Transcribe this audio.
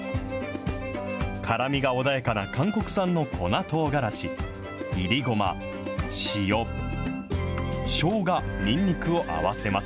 辛みが穏やかな韓国産の粉とうがらし、いりごま、塩、しょうが、にんにくを合わせます。